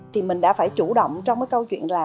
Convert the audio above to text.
thì mình đã phải chủ động trong cái câu chuyện là